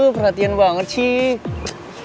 perhatian banget sih